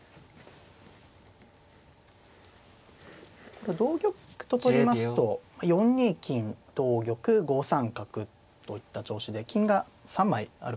これ同玉と取りますと４二金同玉５三角といった調子で金が３枚ある形ですからね。